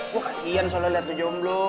gue kasian soalnya liat lu jomblo